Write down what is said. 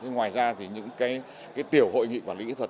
ngoài ra thì những tiểu hội nghị quản lý kỹ thuật